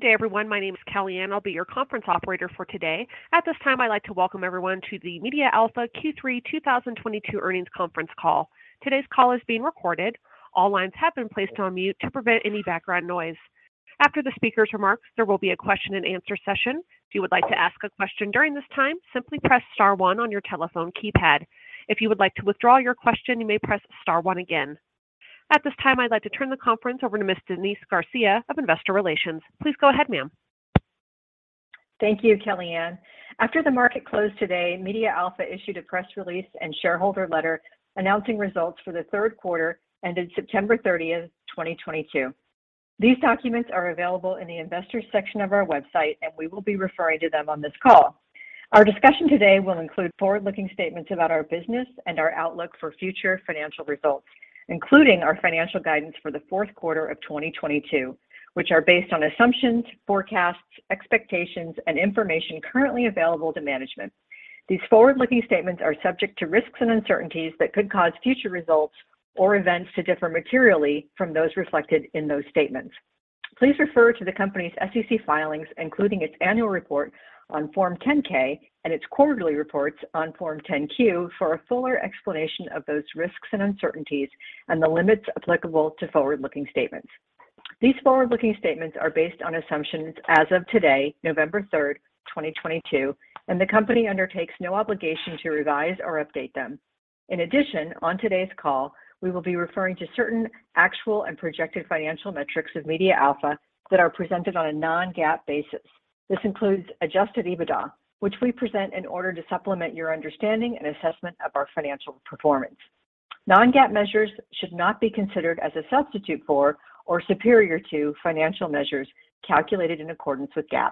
Good day, everyone. My name is Kellyanne. I'll be your conference operator for today. At this time, I'd like to welcome everyone to the MediaAlpha Q3 2022 Earnings Conference Call. Today's call is being recorded. All lines have been placed on mute to prevent any background noise. After the speaker's remarks, there will be a question and answer session. If you would like to ask a question during this time, simply press star one on your telephone keypad. If you would like to withdraw your question, you may press star one again. At this time, I'd like to turn the conference over to Ms. Denise Garcia of Investor Relations. Please go ahead, ma'am. Thank you, Kellyanne. After the market closed today, MediaAlpha issued a press release and shareholder letter announcing results for the third quarter, ending September 30, 2022. These documents are available in the Investors section of our website, and we will be referring to them on this call. Our discussion today will include forward-looking statements about our business and our outlook for future financial results, including our financial guidance for the fourth quarter of 2022, which are based on assumptions, forecasts, expectations, and information currently available to management. These forward-looking statements are subject to risks and uncertainties that could cause future results or events to differ materially from those reflected in those statements. Please refer to the company's SEC filings, including its annual report on Form 10-K and its quarterly reports on Form 10-Q, for a fuller explanation of those risks and uncertainties and the limits applicable to forward-looking statements. These forward-looking statements are based on assumptions as of today, November third, twenty twenty-two, and the company undertakes no obligation to revise or update them. In addition, on today's call, we will be referring to certain actual and projected financial metrics of MediaAlpha that are presented on a non-GAAP basis. This includes adjusted EBITDA, which we present in order to supplement your understanding and assessment of our financial performance. Non-GAAP measures should not be considered as a substitute for or superior to financial measures calculated in accordance with GAAP.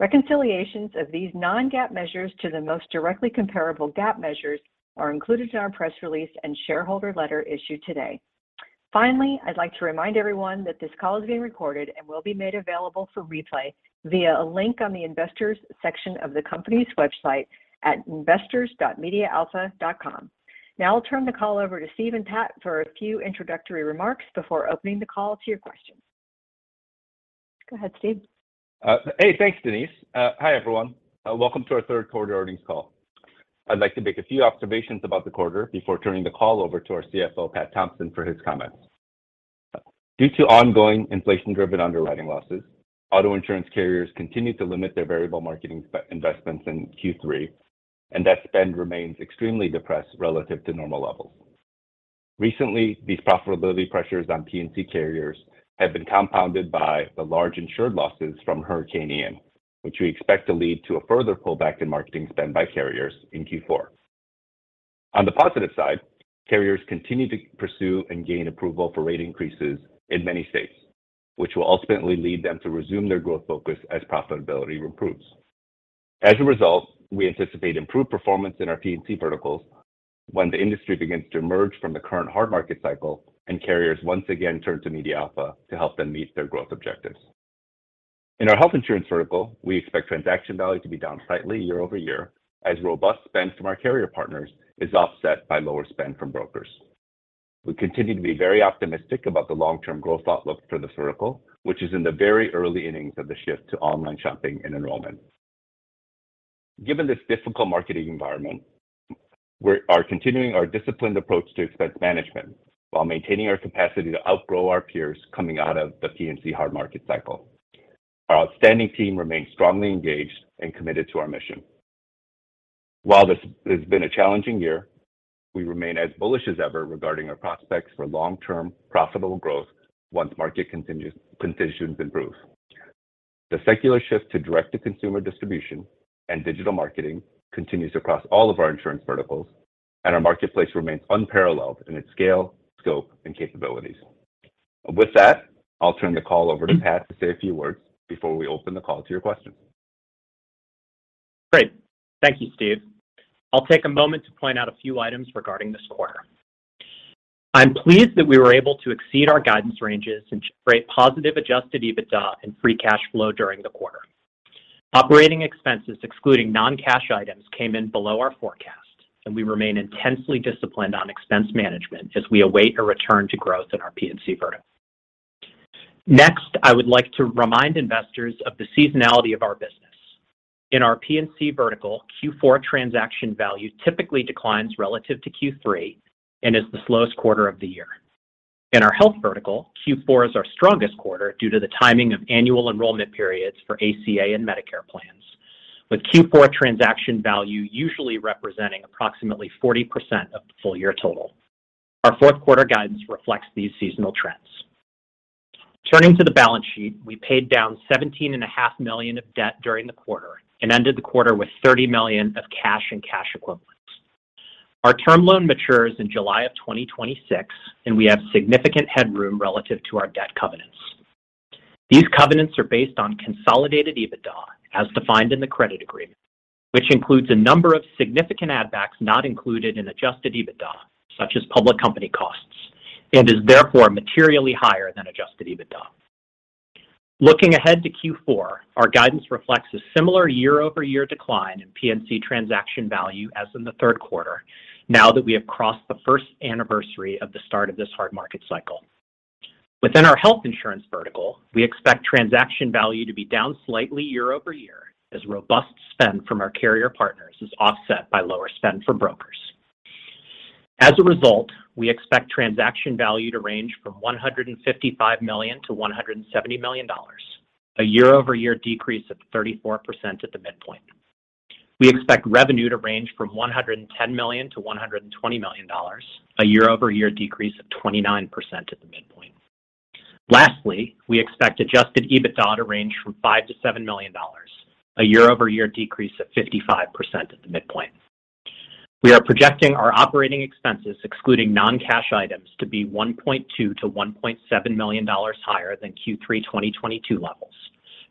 Reconciliations of these non-GAAP measures to the most directly comparable GAAP measures are included in our press release and shareholder letter issued today. Finally, I'd like to remind everyone that this call is being recorded and will be made available for replay via a link on the Investors section of the company's website at investors.MediaAlpha.com. Now I'll turn the call over to Steve and Pat for a few introductory remarks before opening the call to your questions. Go ahead, Steve. Hey. Thanks, Denise. Hi, everyone. Welcome to our third quarter earnings call. I'd like to make a few observations about the quarter before turning the call over to our CFO, Patrick Thompson, for his comments. Due to ongoing inflation-driven underwriting losses, auto insurance carriers continued to limit their variable marketing investments in Q3, and that spend remains extremely depressed relative to normal levels. Recently, these profitability pressures on P&C carriers have been compounded by the large insured losses from Hurricane Ian, which we expect to lead to a further pullback in marketing spend by carriers in Q4. On the positive side, carriers continue to pursue and gain approval for rate increases in many states, which will ultimately lead them to resume their growth focus as profitability improves. As a result, we anticipate improved performance in our P&C verticals when the industry begins to emerge from the current hard market cycle and carriers once again turn to MediaAlpha to help them meet their growth objectives. In our health insurance vertical, we expect transaction value to be down slightly year-over-year as robust spend from our carrier partners is offset by lower spend from brokers. We continue to be very optimistic about the long-term growth outlook for this vertical, which is in the very early innings of the shift to online shopping and enrollment. Given this difficult marketing environment, we're continuing our disciplined approach to expense management while maintaining our capacity to outgrow our peers coming out of the P&C hard market cycle. Our outstanding team remains strongly engaged and committed to our mission. While this has been a challenging year, we remain as bullish as ever regarding our prospects for long-term profitable growth once conditions improve. The secular shift to direct-to-consumer distribution and digital marketing continues across all of our insurance verticals, and our marketplace remains unparalleled in its scale, scope, and capabilities. With that, I'll turn the call over to Pat to say a few words before we open the call to your questions. Great. Thank you, Steve. I'll take a moment to point out a few items regarding this quarter. I'm pleased that we were able to exceed our guidance ranges and generate positive adjusted EBITDA and free cash flow during the quarter. Operating expenses excluding non-cash items came in below our forecast, and we remain intensely disciplined on expense management as we await a return to growth in our P&C vertical. Next, I would like to remind investors of the seasonality of our business. In our P&C vertical, Q4 transaction value typically declines relative to Q3 and is the slowest quarter of the year. In our health vertical, Q4 is our strongest quarter due to the timing of annual enrollment periods for ACA and Medicare plans, with Q4 transaction value usually representing approximately 40% of the full year total. Our fourth quarter guidance reflects these seasonal trends. Turning to the balance sheet, we paid down $17 and a half million of debt during the quarter and ended the quarter with $30 million of cash and cash equivalents. Our term loan matures in July 2026, and we have significant headroom relative to our debt covenants. These covenants are based on consolidated EBITDA as defined in the credit agreement, which includes a number of significant add backs not included in adjusted EBITDA, such as public company costs, and is therefore materially higher than adjusted EBITDA. Looking ahead to Q4, our guidance reflects a similar year-over-year decline in P&C transaction value as in the third quarter now that we have crossed the first anniversary of the start of this hard market cycle. Within our health insurance vertical, we expect transaction value to be down slightly year-over-year as robust spend from our carrier partners is offset by lower spend from brokers. As a result, we expect transaction value to range from $155 million-$170 million, a year-over-year decrease of 34% at the midpoint. We expect revenue to range from $110 million-$120 million, a year-over-year decrease of 29% at the midpoint. Lastly, we expect adjusted EBITDA to range from $5 million-$7 million, a year-over-year decrease of 55% at the midpoint. We are projecting our operating expenses, excluding non-cash items, to be $1.2 million-$1.7 million higher than Q3 2022 levels,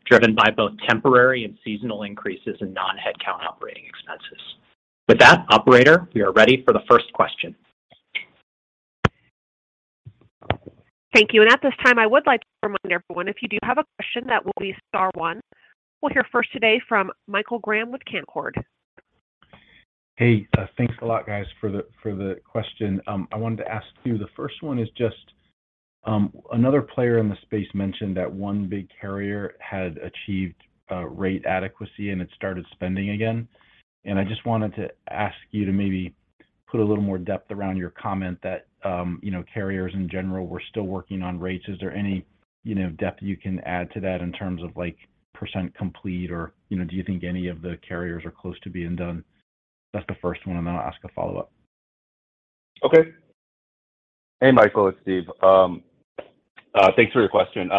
driven by both temporary and seasonal increases in non-headcount operating expenses. With that, operator, we are ready for the first question. Thank you. At this time, I would like to remind everyone, if you do have a question, that will be star one. We'll hear first today from Michael Graham with Canaccord Genuity. Hey, thanks a lot, guys, for the question. I wanted to ask you, the first one is just another player in the space mentioned that one big carrier had achieved rate adequacy, and it started spending again. I just wanted to ask you to maybe put a little more depth around your comment that you know, carriers in general were still working on rates. Is there any you know, depth you can add to that in terms of like, percent complete or you know, do you think any of the carriers are close to being done? That's the first one, and then I'll ask a follow-up. Okay. Hey, Michael, it's Steve. Thanks for your question.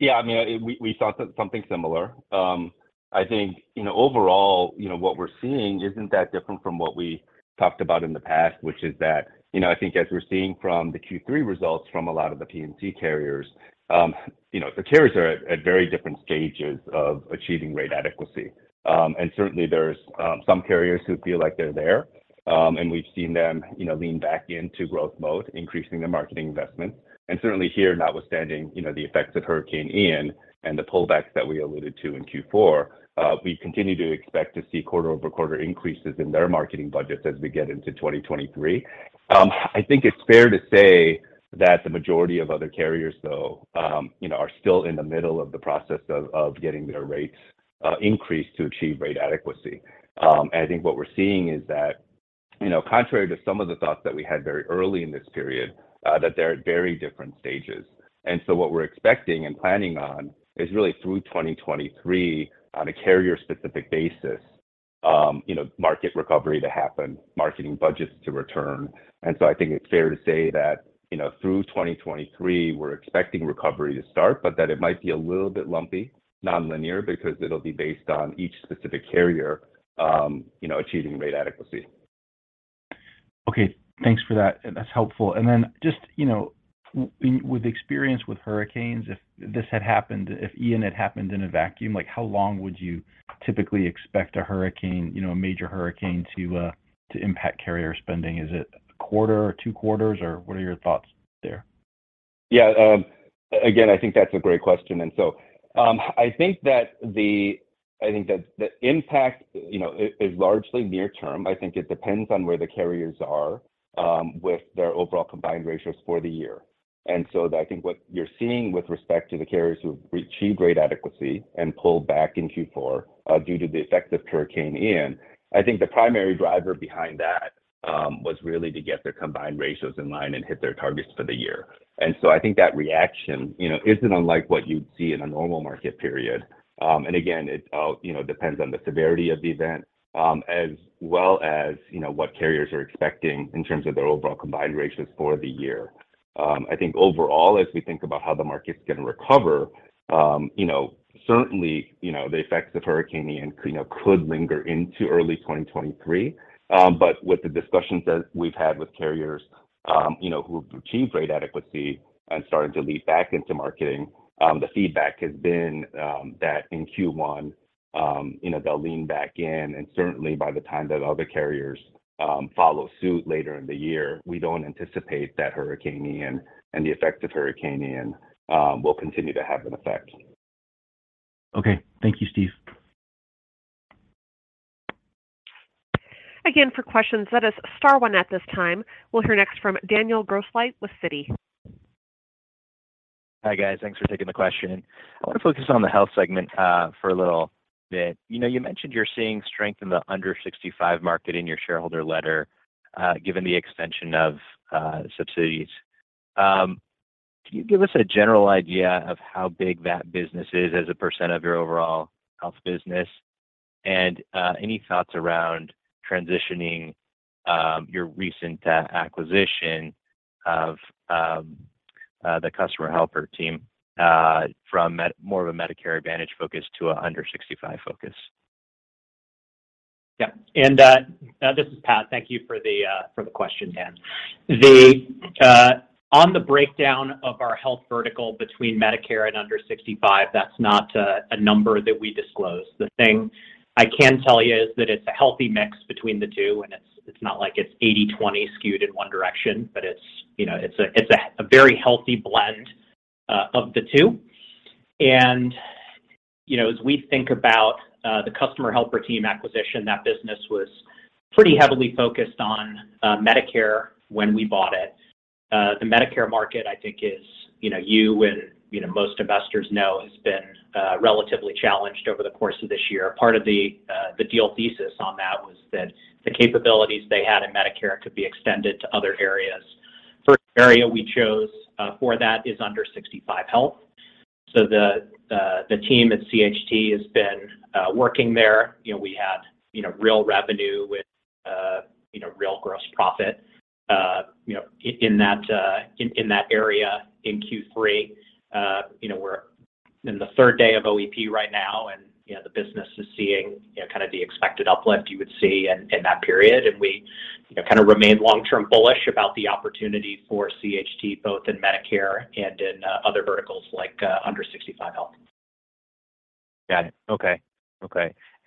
Yeah, I mean, we saw something similar. I think, you know, overall, you know, what we're seeing isn't that different from what we talked about in the past, which is that, you know, I think as we're seeing from the Q3 results from a lot of the P&C carriers, you know, the carriers are at very different stages of achieving rate adequacy. Certainly there's some carriers who feel like they're there, and we've seen them, you know, lean back into growth mode, increasing their marketing investment. Certainly here, notwithstanding, you know, the effects of Hurricane Ian and the pullbacks that we alluded to in Q4, we continue to expect to see quarter-over-quarter increases in their marketing budgets as we get into 2023. I think it's fair to say that the majority of other carriers, though, you know, are still in the middle of the process of getting their rates increased to achieve rate adequacy. I think what we're seeing is that, you know, contrary to some of the thoughts that we had very early in this period, that they're at very different stages. What we're expecting and planning on is really through 2023 on a carrier-specific basis, you know, market recovery to happen, marketing budgets to return. I think it's fair to say that, you know, through 2023, we're expecting recovery to start, but that it might be a little bit lumpy, nonlinear, because it'll be based on each specific carrier, you know, achieving rate adequacy. Okay, thanks for that. That's helpful. Just, you know, with experience with hurricanes, if this had happened, if Ian had happened in a vacuum, like, how long would you typically expect a hurricane, you know, a major hurricane to impact carrier spending? Is it a quarter or two quarters, or what are your thoughts there? Again, I think that's a great question. I think that the impact, you know, is largely near term. I think it depends on where the carriers are with their overall combined ratio for the year. I think what you're seeing with respect to the carriers who've achieved rate adequacy and pulled back in Q4 due to the effects of Hurricane Ian, I think the primary driver behind that was really to get their combined ratio in line and hit their targets for the year. I think that reaction, you know, isn't unlike what you'd see in a normal market period. Again, it, you know, depends on the severity of the event as well as, you know, what carriers are expecting in terms of their overall combined ratio for the year. I think overall, as we think about how the market's gonna recover, you know, certainly, you know, the effects of Hurricane Ian, you know, could linger into early 2023. But with the discussions that we've had with carriers, you know, who have achieved rate adequacy and starting to lean back into marketing, the feedback has been, that in Q1, you know, they'll lean back in. Certainly by the time that other carriers, follow suit later in the year, we don't anticipate that Hurricane Ian and the effects of Hurricane Ian, will continue to have an effect. Okay. Thank you, Steve. Again, for questions, that is star one at this time. We'll hear next from Daniel Grosslight with Citi. Hi, guys. Thanks for taking the question. I want to focus on the health segment for a little bit. You know, you mentioned you're seeing strength in the under-65 market in your shareholder letter, given the extension of subsidies. Can you give us a general idea of how big that business is as a % of your overall health business? Any thoughts around transitioning your recent acquisition of the Customer Helper Team from more of a Medicare Advantage focus to a under-65 focus? Yeah. This is Pat. Thank you for the question, Dan. On the breakdown of our health vertical between Medicare and under 65, that's not a number that we disclose. The thing I can tell you is that it's a healthy mix between the two, and it's not like it's 80/20 skewed in one direction, but it's, you know, a very healthy blend of the two. You know, as we think about the Customer Helper Team acquisition, that business was pretty heavily focused on Medicare when we bought it. The Medicare market, I think is, you know, you and you know most investors know has been relatively challenged over the course of this year. Part of the deal thesis on that was that the capabilities they had in Medicare could be extended to other areas. First area we chose for that is under-65 health. The team at CHT has been working there. You know, we had, you know, real revenue with, you know, real gross profit, you know, in that area in Q3. You know, we're in the third day of OEP right now, and you know, the business is seeing, you know, kind of the expected uplift you would see in that period. We, you know, kind of remain long-term bullish about the opportunity for CHT both in Medicare and in other verticals like under-65 health. Got it. Okay.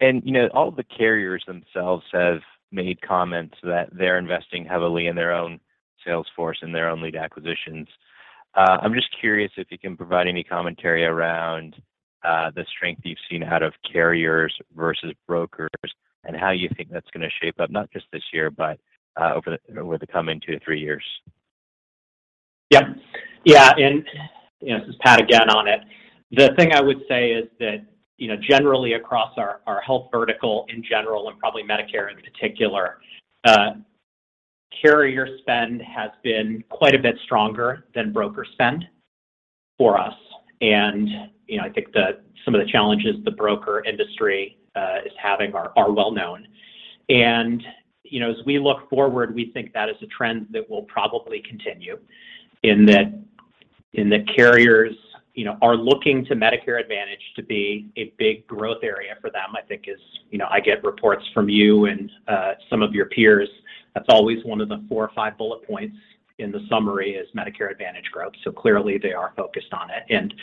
You know, all the carriers themselves have made comments that they're investing heavily in their own sales force and their own lead acquisitions. I'm just curious if you can provide any commentary around the strength you've seen out of carriers versus brokers and how you think that's going to shape up, not just this year, but over the coming two to three years. Yeah. Yeah. You know, this is Pat again on it. The thing I would say is that, you know, generally across our health vertical in general and probably Medicare in particular, carrier spend has been quite a bit stronger than broker spend for us. You know, I think some of the challenges the broker industry is having are well known. You know, as we look forward, we think that is a trend that will probably continue in that carriers, you know, are looking to Medicare Advantage to be a big growth area for them. I think is. You know, I get reports from you and some of your peers. That's always one of the four or five bullet points in the summary is Medicare Advantage growth. Clearly they are focused on it, and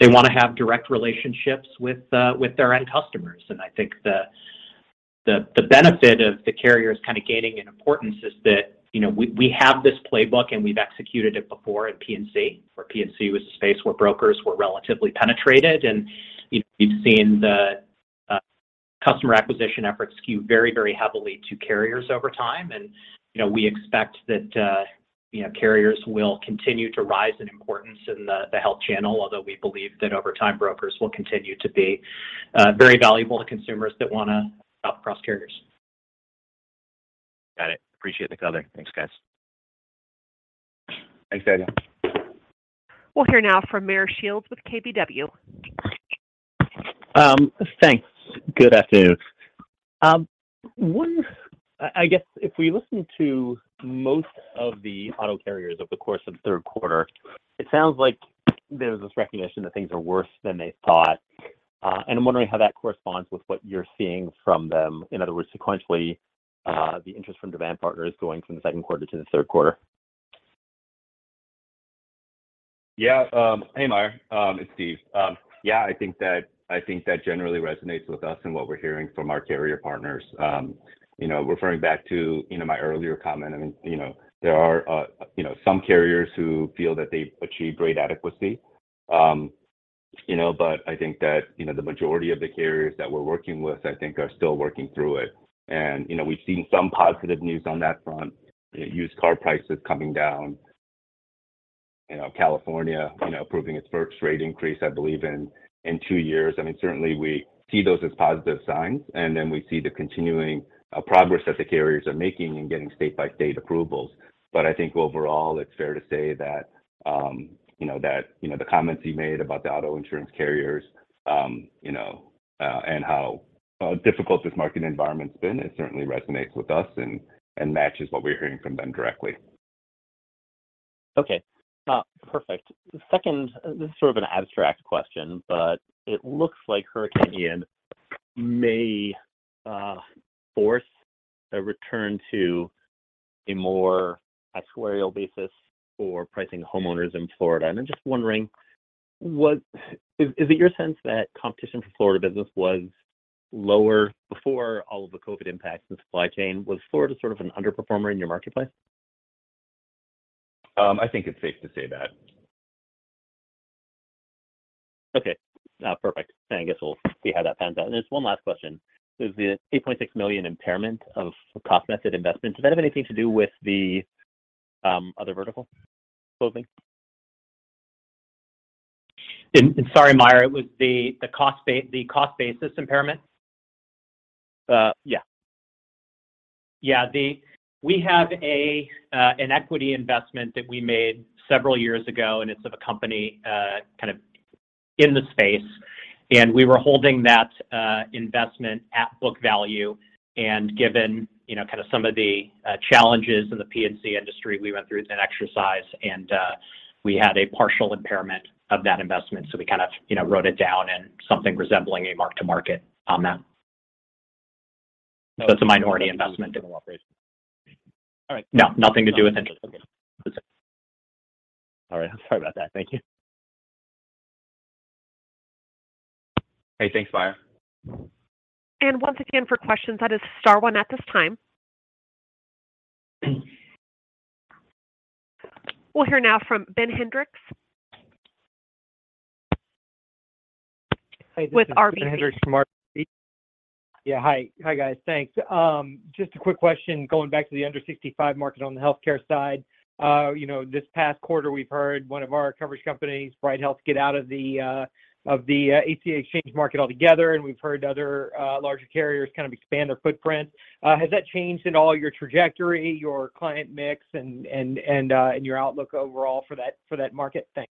they want to have direct relationships with their end customers. I think the benefit of the carriers kind of gaining in importance is that, you know, we have this playbook and we've executed it before in P&C, where P&C was a space where brokers were relatively penetrated. You know, you've seen the customer acquisition efforts skew very, very heavily to carriers over time. You know, we expect that carriers will continue to rise in importance in the health channel, although we believe that over time brokers will continue to be very valuable to consumers that want to shop across carriers. Got it. Appreciate the color. Thanks, guys. Thanks, Daniel. We'll hear now from Meyer Shields with KBW. Thanks. Good afternoon. I guess if we listen to most of the auto carriers over the course of the third quarter, it sounds like there's this recognition that things are worse than they thought. I'm wondering how that corresponds with what you're seeing from them. In other words, sequentially, the interest from demand partners going from the second quarter to the third quarter. Yeah. Hey, Meyer, it's Steve. Yeah, I think that generally resonates with us and what we're hearing from our carrier partners. You know, referring back to my earlier comment, I mean, you know, there are some carriers who feel that they've achieved great rate adequacy. You know, but I think that the majority of the carriers that we're working with are still working through it. You know, we've seen some positive news on that front, used car prices coming down. You know, California approving its first rate increase, I believe in two years. I mean, certainly we see those as positive signs, and then we see the continuing progress that the carriers are making in getting state-by-state approvals. I think overall it's fair to say that the comments you made about the auto insurance carriers and how difficult this market environment's been. It certainly resonates with us and matches what we're hearing from them directly. Okay. Perfect. Second, this is sort of an abstract question, but it looks like Hurricane Ian may force a return to a more actuarial basis for pricing homeowners in Florida. I'm just wondering, is it your sense that competition for Florida business was lower before all of the COVID impacts and supply chain? Was Florida sort of an underperformer in your marketplace? I think it's safe to say that. Okay. Perfect. I guess we'll see how that pans out. There's one last question. The $8.6 million impairment of cost method investment, does that have anything to do with the other vertical closing? Sorry, Meyer, it was the cost basis impairment? Yeah. Yeah. We have an equity investment that we made several years ago, and it's of a company kind of in the space, and we were holding that investment at book value. Given, you know, kind of some of the challenges in the P&C industry, we went through an exercise and we had a partial impairment of that investment. We kind of, you know, wrote it down and something resembling a mark to market on that. It's a minority investment. All right. No, nothing to do with it. All right. Sorry about that. Thank you. Hey, thanks, Meyer Shields. Once again, for questions, that is star one at this time. We'll hear now from Ben Hendrix. Hi, this is Ben Hendrix from RBC. With RBC. Yeah. Hi. Hi guys. Thanks. Just a quick question, going back to the under sixty-five market on the healthcare side. You know, this past quarter, we've heard one of our coverage companies, Bright Health, get out of the ACA exchange market altogether, and we've heard other larger carriers kind of expand their footprint. Has that changed at all your trajectory, your client mix, and your outlook overall for that market? Thanks.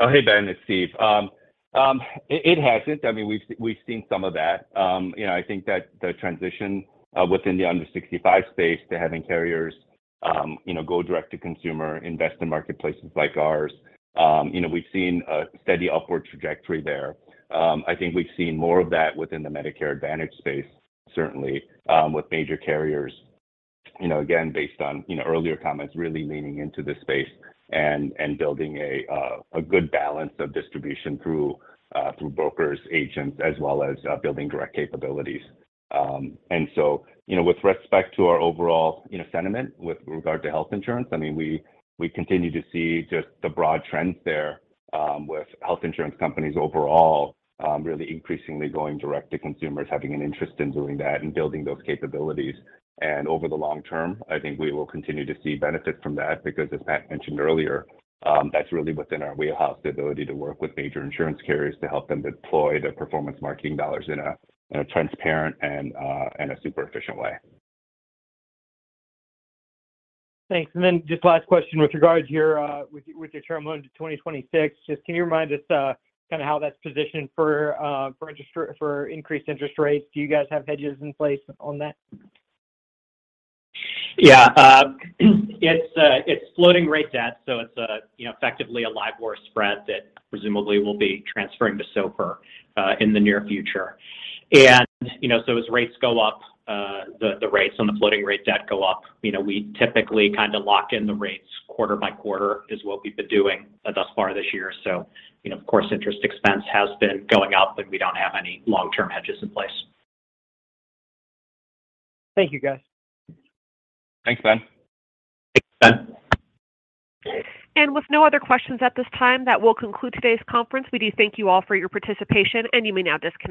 Oh, hey, Ben, it's Steve. It hasn't. I mean, we've seen some of that. You know, I think that the transition within the under 65 space to having carriers you know go direct to consumer, invest in marketplaces like ours, you know, we've seen a steady upward trajectory there. I think we've seen more of that within the Medicare Advantage space certainly, with major carriers, you know, again, based on you know earlier comments, really leaning into the space and building a good balance of distribution through brokers, agents, as well as building direct capabilities. With respect to our overall, you know, sentiment with regard to health insurance, I mean, we continue to see just the broad trends there, with health insurance companies overall, really increasingly going direct to consumers, having an interest in doing that and building those capabilities. Over the long term, I think we will continue to see benefits from that because as Matt mentioned earlier, that's really within our wheelhouse, the ability to work with major insurance carriers to help them deploy their performance marketing dollars in a transparent and a super efficient way. Thanks. Just last question with regard to your term loan to 2026. Just can you remind us, kinda how that's positioned for increased interest rates? Do you guys have hedges in place on that? Yeah. It's floating rate debt, so it's, you know, effectively a LIBOR spread that presumably will be transferring to SOFR in the near future. You know, so as rates go up, the rates on the floating rate debt go up. You know, we typically kinda lock in the rates quarter by quarter is what we've been doing thus far this year. You know, of course, interest expense has been going up, but we don't have any long-term hedges in place. Thank you guys. Thanks, Ben. Thanks, Ben. With no other questions at this time, that will conclude today's conference. We do thank you all for your participation, and you may now disconnect.